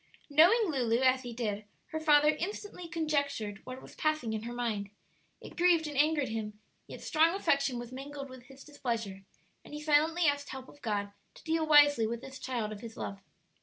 Knowing Lulu as he did, her father instantly conjectured what was passing in her mind. It grieved and angered him, yet strong affection was mingled with his displeasure, and he silently asked help of God to deal wisely with this child of his love.